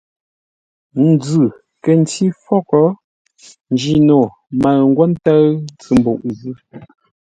Nzʉ̂ kə̂ ncí fôghʼ, Njino mə̂ʉ ńgwó ńtə́ʉ ntsʉ mbuʼ zʉ́.